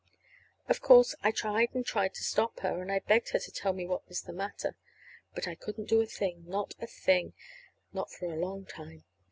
Of course, I tried and tried to stop her, and I begged her to tell me what was the matter. But I couldn't do a thing, not a thing, not for a long time.